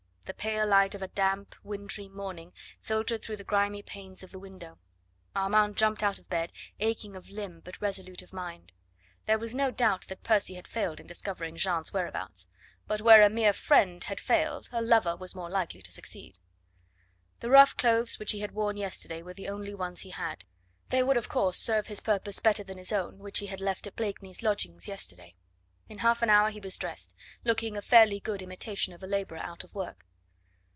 The pale light of a damp, wintry morning filtered through the grimy panes of the window. Armand jumped out of bed, aching of limb but resolute of mind. There was no doubt that Percy had failed in discovering Jeanne's whereabouts; but where a mere friend had failed a lover was more likely to succeed. The rough clothes which he had worn yesterday were the only ones he had. They would, of course, serve his purpose better than his own, which he had left at Blakeney's lodgings yesterday. In half an hour he was dressed, looking a fairly good imitation of a labourer out of work.